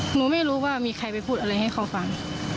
หนูไม่รู้ว่ามีใครไปพูดอะไรให้เขาฟัง